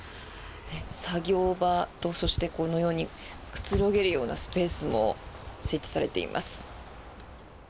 作業場と、そしてこのようにくつろげるようなスペースも設置されています。